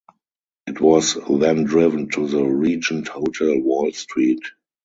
It was then driven to the Regent Hotel, Wall Street.